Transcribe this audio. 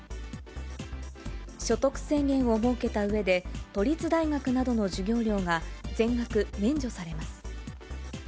所得制限を設けたうえで、都立大学などの授業料が全額免除されます。